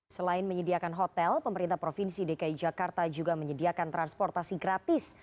selain menyediakan hotel pemerintah provinsi dki jakarta juga menyediakan transportasi gratis